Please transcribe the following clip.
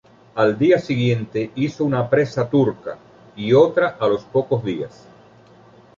Al día siguiente hizo una presa turca y otra a los pocos días.